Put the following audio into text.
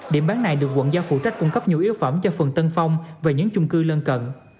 điểm bán này được quận giao phụ trách cung cấp nhiều yếu phẩm cho phường tân phong và những chung cư lân cận